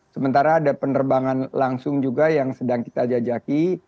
sementara ada penerbangan langsung juga yang sedang kita jajaki